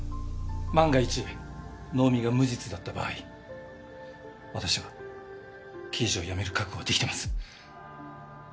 万が一能見が無実だった場合私は刑事を辞める覚悟はできてます。